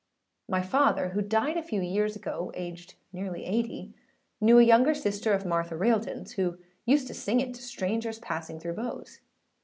My father, who died a few years ago (aged nearly 80), knew a younger sister of Martha Railtonâs, who used to sing it to strangers passing through Bowes.